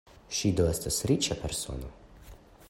Ŝi do estas riĉa persono?